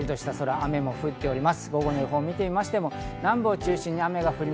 雨も降っております。